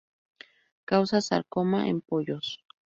Causa sarcoma en pollos.